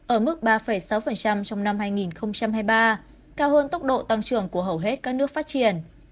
ở mức ba sáu trong năm hai nghìn hai mươi ba cao hơn tốc độ tăng trưởng của hầu hết các nước phát triển